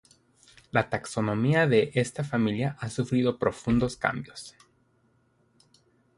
La taxonomía de esta familia ha sufrido profundos cambios.